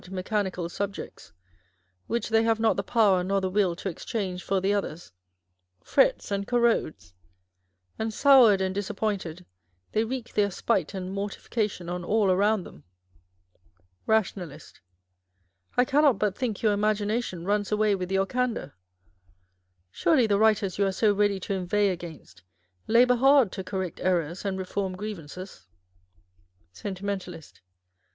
mechanical sub jects, which they have not the power nor the will to exchange for the others, frets and corrodes ; and soured and disappointed, they wreak their spite and mortification on all around them. Rationalist. I cannot but think your imagination runs away with your candour. Surely the writers you are so ready to inveigh against labour hard to correct errors and reform grievances. Sentimentalist.